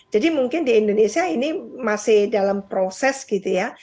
jadi mungkin di indonesia ini masih dalam proses gitu ya